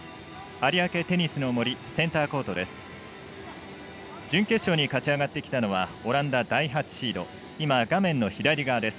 有明テニスの森センターコートです。